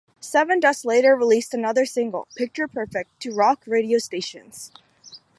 Sevendust later released another single, "Picture Perfect", to rock radio stations.